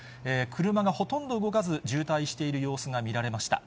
車がほとんど動かず、渋滞している様子が見られました。